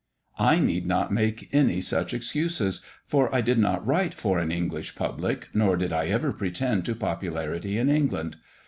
I need not make any such excuses, for I did not write for an English public, nor did I ever pretend to popularity in England.